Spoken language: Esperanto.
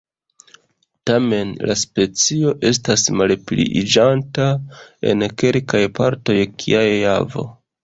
Tamen la specio estas malpliiĝanta en kelkaj partoj kiaj Javo.